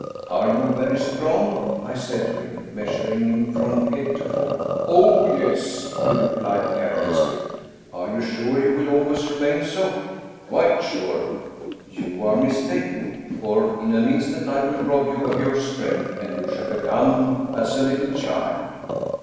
"Are you very strong?" I said to him, measuring him from head to foot. " Oh, yes !" he replied carelessly. "Are you sure you will always remain so?" " Quite sure." "You are mistaken, for in an instant I will rob you of your strength, and you shall become as a little child."